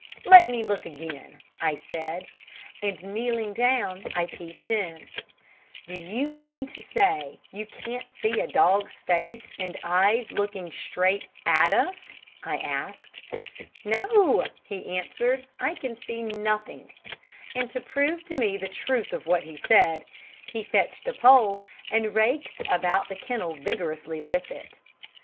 "Let me look again!" I said, and kneeling down, I peeped in. "Do you mean to say you can't see a dog's face and eyes looking straight at us?" I asked. "No," he answered, "I can see nothing." And to prove to me the truth of what he said, he fetched a pole and raked about the kennel vigorously with it.